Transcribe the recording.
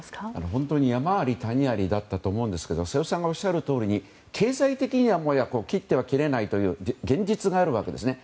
本当に山あり谷ありだったと思うんですけど瀬尾さんがおっしゃるとおりに経済的には切っても切れないという現実があるわけですね。